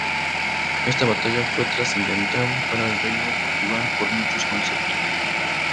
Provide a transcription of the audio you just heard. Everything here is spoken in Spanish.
Esta batalla fue trascendental para el reino de Portugal por muchos conceptos.